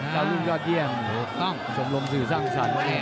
เจ้ายุ่งยอดเยี่ยมสมรมสื่อสร้างสรรค์